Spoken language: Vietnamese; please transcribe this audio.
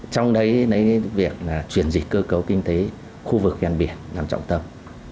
trong đấy là chuyển dịch cơ cấu kinh tế khu vực ghen biển làm trọng tâm